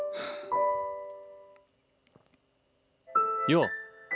よう！